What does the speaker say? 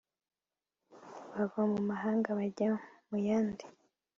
bava mu mahanga bajya mu yandi